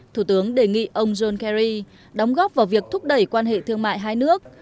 thủ tướng đề nghị ông john kerry đóng góp vào việc thúc đẩy quan hệ thương mại hai nước